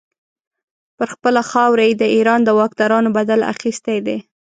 پر خپله خاوره یې د ایران د واکدارانو بدل اخیستی دی.